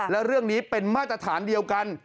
และเรื่องนี้เป็นมาตรฐานเดียวกัน